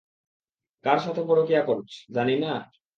কার সাথে পরকীয়া করছ, জানি না।